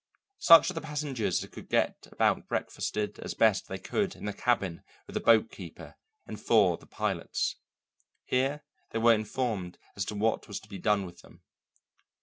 Such of the passengers as could get about breakfasted as best they could in the cabin with the boatkeeper and four of the pilots. Here they were informed as to what was to be done with them.